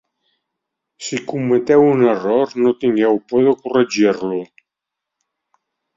Si cometeu un error, no tingueu por de corregir-lo.